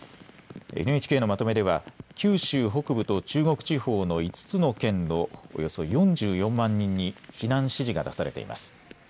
ＮＨＫのまとめでは九州北部と中国地方の５つの県のおよそ４４万人に避難指示が出されています。